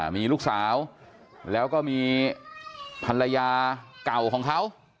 มีลูกสาวแล้วก็มีภรรยาเก่าของเขา